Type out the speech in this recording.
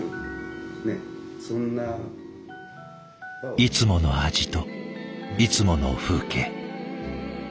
いつもの味といつもの風景。